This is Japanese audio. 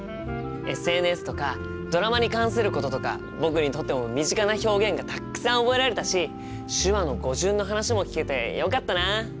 ＳＮＳとかドラマに関することとか僕にとっても身近な表現がたっくさん覚えられたし手話の語順の話も聞けてよかったな。